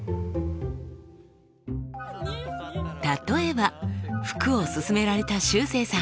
例えば服をすすめられたしゅうせいさん。